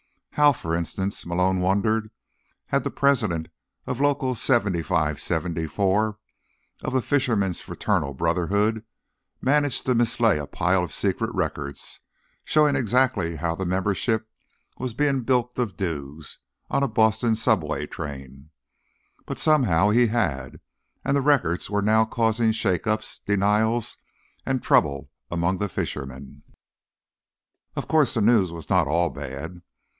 How, for instance, Malone wondered, had the president of Local 7574 of the Fishermen's Fraternal Brotherhood managed to mislay a pile of secret records, showing exactly how the membership was being bilked of dues, on a Boston subway train? But, somehow, he had, and the records were now causing shakeups, denials and trouble among the fishermen. Of course, the news was not all bad.